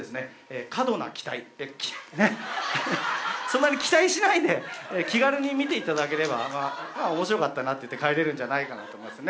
そんなに期待しないで気軽に見ていただければ「まあ面白かったな」って言って帰れるんじゃないかなと思います。